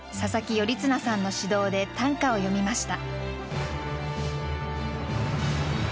頼綱さんの指導で短歌を詠みました。